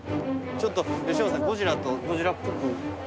ちょっと吉村さんゴジラとゴジラっぽく。